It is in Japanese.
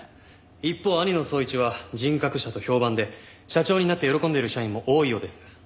一方兄の宗一は人格者と評判で社長になって喜んでいる社員も多いようです。